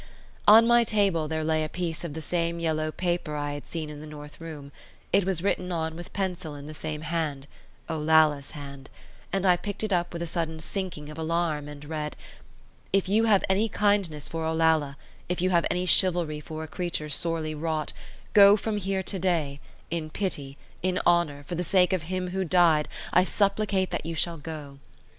On my table there lay a piece of the same yellow paper I had seen in the north room; it was written on with pencil in the same hand, Olalla's hand, and I picked it up with a sudden sinking of alarm, and read, "If you have any kindness for Olalla, if you have any chivalry for a creature sorely wrought, go from here to day; in pity, in honour, for the sake of Him who died, I supplicate that you shall go."